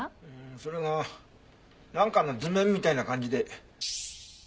それがなんかの図面みたいな感じで。